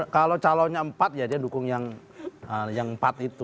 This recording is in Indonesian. kalau calonnya empat ya dia dukung yang empat itu